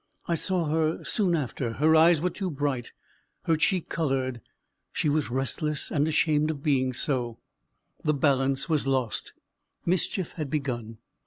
I saw her soon after; her eyes were too bright, her cheek coloured; she was restless, and ashamed of being so; the balance was lost; mischief had begun.